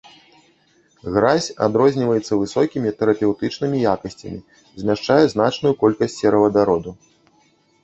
Гразь адрозніваецца высокімі тэрапеўтычнымі якасцямі, змяшчае значную колькасць серавадароду.